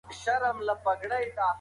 فزیکي تمرین بدن ځواکمنوي.